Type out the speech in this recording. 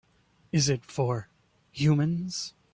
Is it for humans?